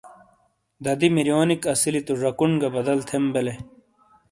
دادی مِیرونیک اسیلی تو ژاکون گا بدل تھیم بلے۔